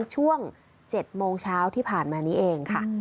ช่วง๗โมงเช้าที่ผ่านมานี้เองค่ะ